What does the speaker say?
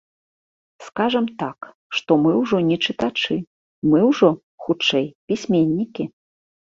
Скажам так, што мы ўжо не чытачы, мы ўжо, хутчэй, пісьменнікі.